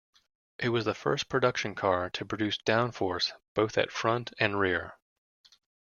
It was the first production car to produce downforce both at front and rear.